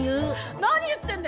何言ってんだよ